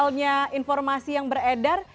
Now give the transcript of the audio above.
halnya informasi yang beredar